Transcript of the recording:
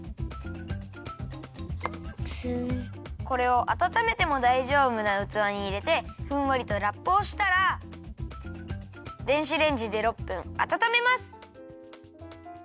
これをあたためてもだいじょうぶなうつわにいれてふんわりとラップをしたら電子レンジで６分あたためます。